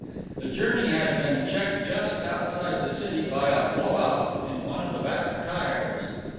The journey had been checked just outside the city by a blow out in one of the back tyres.